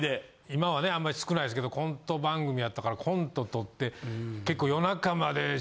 今はねあんまり少ないですけどコント番組やったからコント撮って結構。